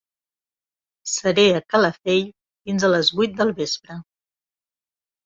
Seré a Calafell fins a les vuit del vespre.